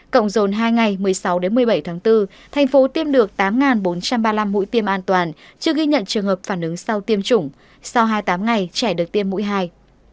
cộng dồn hai ngày một mươi sáu một mươi bảy tháng bốn thành phố tiêm được tám bốn trăm ba mươi năm mũi tiêm an toàn chưa ghi nhận trường hợp phản ứng sau tiêm chủng sau hai mươi tám ngày trẻ được tiêm mũi hai